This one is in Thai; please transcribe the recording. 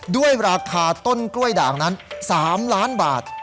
ด้วยราคาต้นกล้วยด่างนั้น๓ล้านบาท